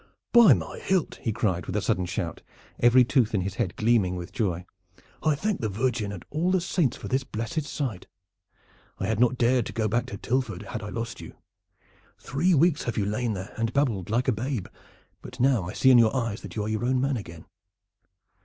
"By my hilt!" he cried with a sudden shout, every tooth in his head gleaming with joy, "I thank the Virgin and all the saints for this blessed sight! I had not dared to go back to Tilford had I lost you. Three weeks have you lain there and babbled like a babe, but now I see in your eyes that you are your own man again."